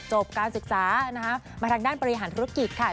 การศึกษานะคะมาทางด้านบริหารธุรกิจค่ะ